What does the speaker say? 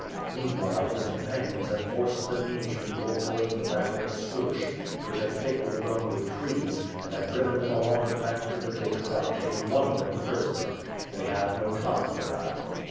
Meanwhile, his companions had forced the Nij people towards the bank of the Sluch, which was thickly grown with trees, and had driven them along the bank to the ditch without taking one of them prisoner. They had no time for that.